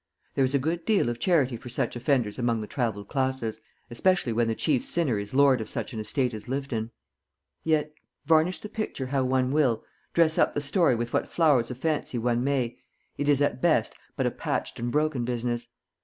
There is a good deal of charity for such offenders among the travelled classes, especially when the chief sinner is lord of such an estate as Lyvedon. Yet, varnish the picture how one will, dress up the story with what flowers of fancy one may, it is at best but a patched and broken business.